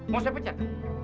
mau saya pecat